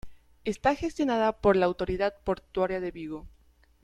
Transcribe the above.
Está gestionada por la Autoridad Portuaria de Vigo.